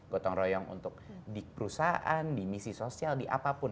gotong royong untuk di perusahaan di misi sosial di apapun